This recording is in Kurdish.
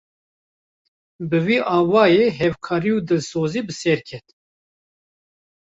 Bi vî awayî hevkarî û dilsozî bi ser ket